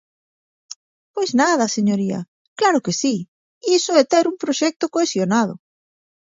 Pois nada, señoría, ¡claro que si!, iso é ter un proxecto cohesionado.